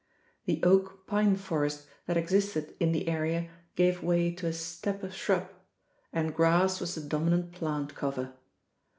The oak pine forest that existed in the area gave way to a steppe shrub, and grass was the dominant plant cover.